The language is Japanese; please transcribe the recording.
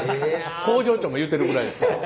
工場長も言ってるぐらいですから。